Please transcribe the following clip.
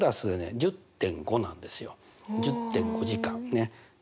１０．５時間ね。